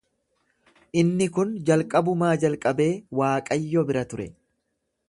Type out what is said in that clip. Inni kun jalqabumaa jalqabee Waaqayyo bira ture.